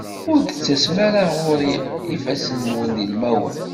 Ur d-tettasem ara ɣur-i ifassen-nwen d ilmawen.